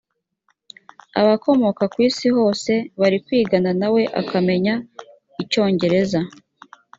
abakomoka ku isi hose bari kwigana nawe akamenya icyongereza